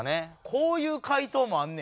こういう回答もあんねや。